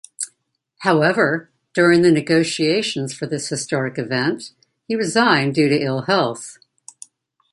However, during the negotiations for this historic event, he resigned due to ill health.